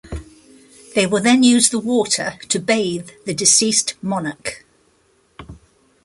They will then use the water to bathe the deceased monarch.